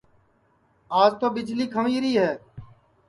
آج تو ٻݪی کھنٚویری ہے